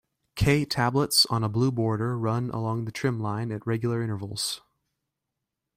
"K" tablets on a blue border run along the trim line at regular intervals.